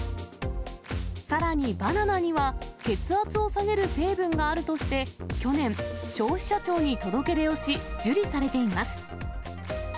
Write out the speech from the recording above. さらにバナナには血圧を下げる成分があるとして、去年、消費者庁に届け出をし、受理されています。